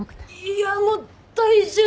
いやもう大渋滞！